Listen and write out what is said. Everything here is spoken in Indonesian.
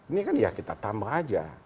ini kan ya kita tambah aja